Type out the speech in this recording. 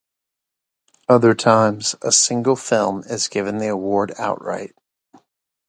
Other times, a single film is given the award outright.